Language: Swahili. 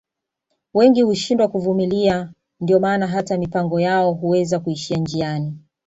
Wengi hushindwa kuvumilia ndio maana hata mipango yao Huweza kuishia njiani